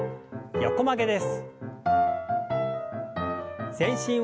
横曲げです。